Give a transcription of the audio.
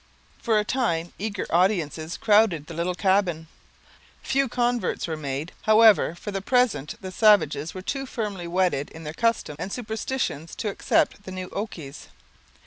For a time eager audiences crowded the little cabin. Few converts were made, however; for the present the savages were too firmly wedded to their customs and superstitions to accept the new okies.